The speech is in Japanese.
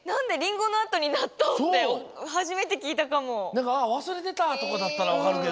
なんか「あっわすれてた」とかだったらわかるけど。